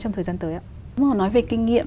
trong thời gian tới ạ